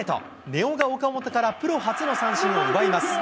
根尾が岡本からプロ初の三振を奪います。